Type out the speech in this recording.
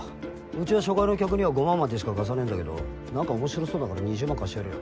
うちは初回の客には５万までしか貸さねぇんだけどなんか面白そうだから２０万貸してやるよ。